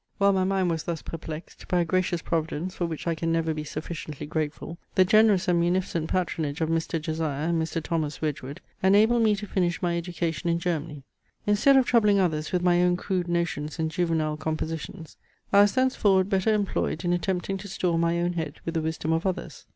While my mind was thus perplexed, by a gracious providence for which I can never be sufficiently grateful, the generous and munificent patronage of Mr. Josiah, and Mr. Thomas Wedgwood enabled me to finish my education in Germany. Instead of troubling others with my own crude notions and juvenile compositions, I was thenceforward better employed in attempting to store my own head with the wisdom of others.